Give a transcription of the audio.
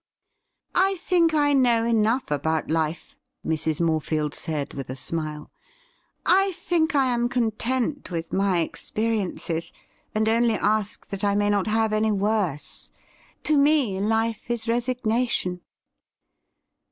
' I think I know enough about life,' Mrs. Morefield said with a smile. ' I think I am content with my experiences, and only ask that I may not have any worse. To me, life is resignation.'